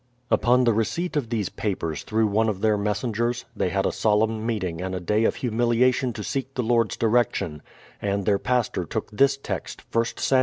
Upon the receipt of these papers through one of their messengers, they had a solemn meeting and a day of humil iation to seek the Lord's direction; and their pastor took this text, I Sam.